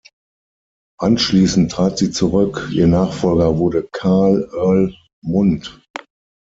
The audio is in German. Anschließend trat sie zurück; ihr Nachfolger wurde Karl Earl Mundt.